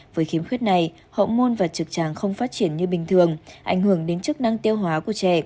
với khiếm khuyết này họ môn và trực tràng không phát triển như bình thường ảnh hưởng đến chức năng tiêu hóa của trẻ